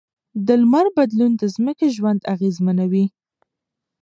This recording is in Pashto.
د لمر بدلون د ځمکې ژوند اغېزمنوي.